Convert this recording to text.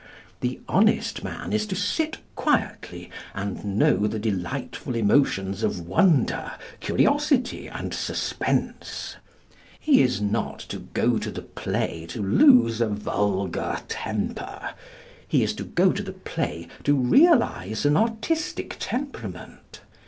The honest man is to sit quietly, and know the delightful emotions of wonder, curiosity, and suspense. He is not to go to the play to lose a vulgar temper. He is to go to the play to realise an artistic temperament.